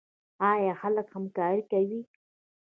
آیا خلک همکاري کوي؟